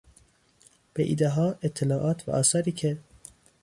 به ایدهها، اطلاعات و آثاری که